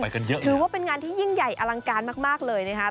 ไปกันเยอะเลยคือว่าเป็นงานที่ยิ่งใหญ่อลังการมากเลยนะคะ